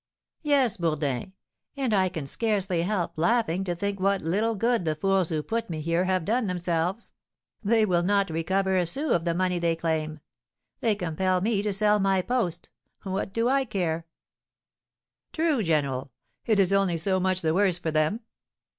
"Yes, Bourdin; and I can scarcely help laughing to think what little good the fools who put me here have done themselves, they will not recover a sou of the money they claim. They compel me to sell my post, what do I care?" "True, general; it is only so much the worse for them."